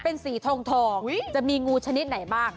เป็นสีทองจะมีงูชนิดไหนบ้าง